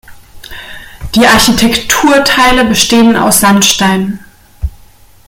Die Architekturteile bestehen aus Sandstein.